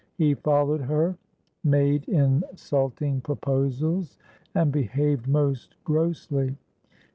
He followed her, made insulting proposals, and behaved most grossly.